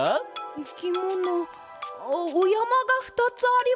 いきものおやまがふたつあります。